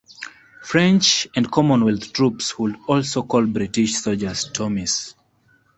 French and Commonwealth troops would also call British soldiers "Tommies".